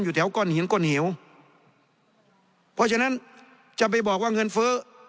แถวก้อนหินก้อนเหวเพราะฉะนั้นจะไปบอกว่าเงินเฟ้อ